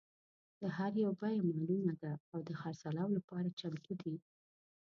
د هر یو بیه معلومه ده او د خرڅلاو لپاره چمتو دي.